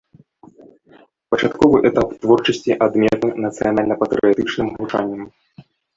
Пачатковы этап творчасці адметны нацыянальна-патрыятычным гучаннем.